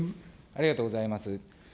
ありがとうございます。